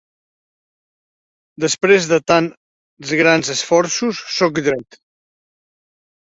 Després de tan grans esforços sóc dret.